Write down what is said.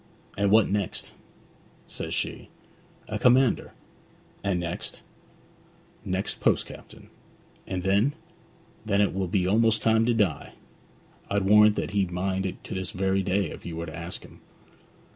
"And what next?" says she. "A commander." "And next?" "Next, post captain." "And then?" "Then it will be almost time to die." I'd warrant that he'd mind it to this very day if you were to ask him.'